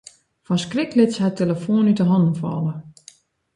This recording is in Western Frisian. Fan skrik lit se har de telefoan út 'e hannen falle.